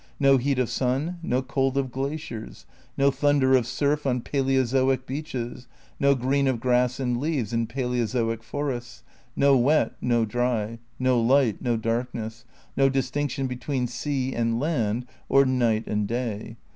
No heat of sun, no cold of glaciers; no thunder of surf on paleozoic beaches ; no green of grass and leaves in palaeozoic forest^ No wet, no dry. No light, no dark ness. No distinction between sea and land or night and day.